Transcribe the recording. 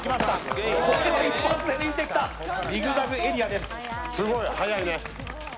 すごい速いね。